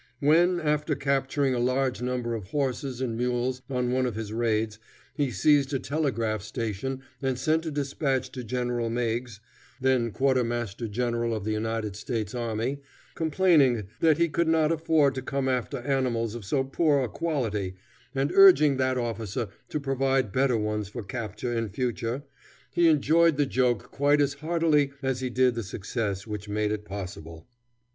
When, after capturing a large number of horses and mules on one of his raids, he seized a telegraph station and sent a dispatch to General Meigs, then Quartermaster General of the United States army, complaining that he could not afford to come after animals of so poor a quality, and urging that officer to provide better ones for capture in future, he enjoyed the joke quite as heartily as he did the success which made it possible.